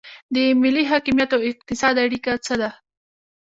د ملي حاکمیت او اقتصاد اړیکه څه ده؟